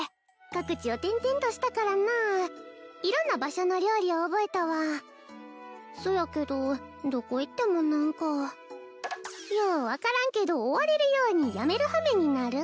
各地を転々としたからなあ色んな場所の料理を覚えたわそやけどどこ行っても何かよう分からんけど追われるように辞めるはめになる？